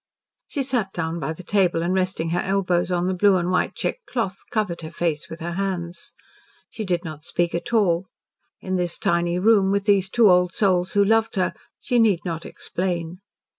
She sat down by the table, and resting her elbows on the blue and white checked cloth, covered her face with her hands. She did not speak at all. In this tiny room, with these two old souls who loved her, she need not explain.